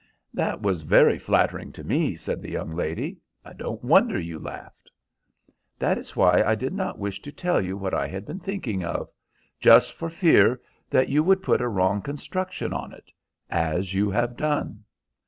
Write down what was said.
"That was very flattering to me," said the young lady; "I don't wonder you laughed." "That is why I did not wish to tell you what I had been thinking of—just for fear that you would put a wrong construction on it—as you have done.